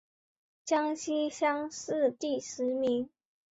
江西乡试第十名。